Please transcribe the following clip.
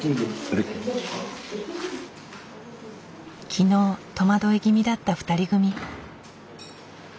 昨日戸惑い気味だった２人組。